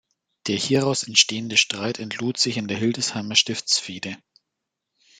Der hieraus entstehende Streit entlud sich in der Hildesheimer Stiftsfehde.